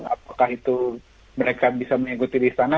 apakah itu mereka bisa mengikuti di sana